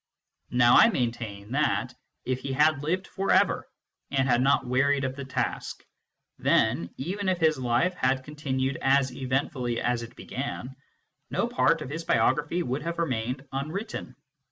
Now I maintain that, if he had lived for ever, and had not wearied of his task, then, even if his life had continued as eventfully as it began, no part of his biography would have remained unwritten.